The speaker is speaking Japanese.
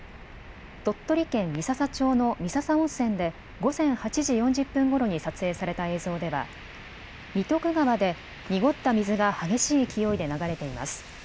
鳥取県三朝町の三朝温泉で午前８時４０分ごろに撮影された映像では三徳川で濁った水が激しい勢いで流れています。